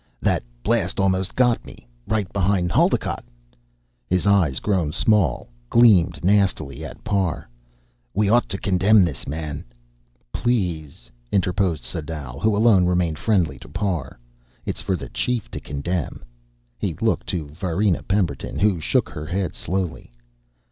"That blast almost got me, right behind Haldocott." His eyes, grown small, gleamed nastily at Parr. "We ought to condemn this man " "Please," interposed Sadau, who alone remained friendly to Parr, "it's for the chief to condemn." He looked to Varina Pemberton, who shook her head slowly.